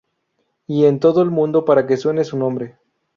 Y en todo el mundo para que suene su nombre.